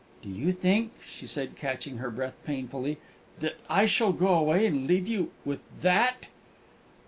"Do you think," she said, catching her breath painfully, "that I shall go away and leave you with That!"